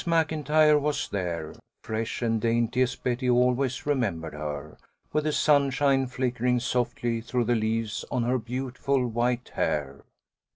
MacIntyre was there, fresh and dainty as Betty always remembered her, with the sunshine flickering softly through the leaves on her beautiful white hair.